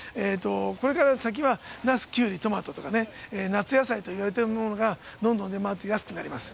これから先はナス、キュウリ、トマトとかね、夏野菜といわれてるものがどんどん出回って安くなります。